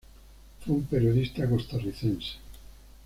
Fue un periodista costarricense.